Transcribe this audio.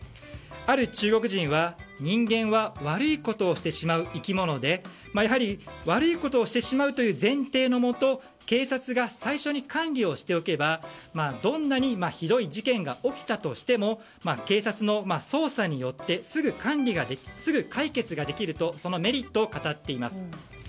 ある中国人は、人間は悪いことをしてしまう生き物でやはり悪いことをしてしまうという前提のもと警察が最初に管理をしておけばどんなにひどい事件が起きたとしても警察の捜査によってすぐ解決ができるとそのメリットを語っています。